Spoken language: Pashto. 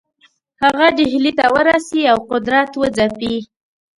هغه ډهلي ته ورسي او قدرت وځپي.